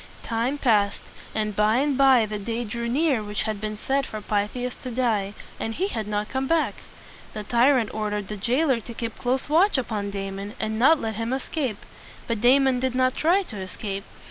Time passed, and by and by the day drew near which had been set for Pythias to die; and he had not come back. The tyrant ordered the jailer to keep close watch upon Damon, and not let him escape. But Damon did not try to escape.